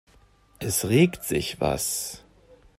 Es regt sich was.